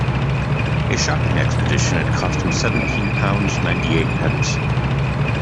His shopping expedition had cost him seventeen pounds, ninety-eight pence